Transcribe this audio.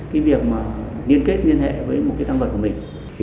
cái việc mà liên kết liên hệ với một cái tăng vật của mình